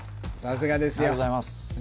砂川ありがとうございます